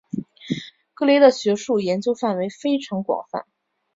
格雷的学术研究范围非常广泛。